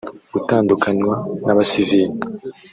gutandukanywa n’abasivili